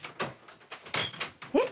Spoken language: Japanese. えっ！？